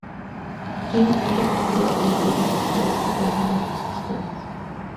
King es reconocido por incluir escritores frecuentemente en sus historias.